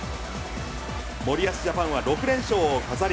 森保ジャパンは６連勝を飾り